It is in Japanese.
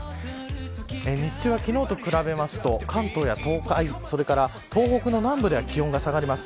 日中は昨日と比べると関東や東海それから東北の南部は気温が下がります。